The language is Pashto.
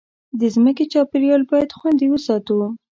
د مځکې چاپېریال باید خوندي وساتو.